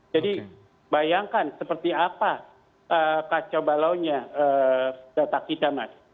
jadi bayangkan seperti apa kacau balaunya data kita mas